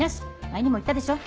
前にも言ったでしょ。